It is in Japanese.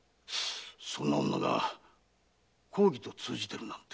そんな女が公儀と通じてるなんて。